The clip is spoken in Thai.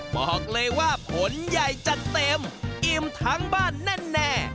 บอกเลยว่าผลใหญ่จัดเต็มอิ่มทั้งบ้านแน่